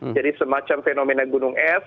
jadi semacam fenomena gunung es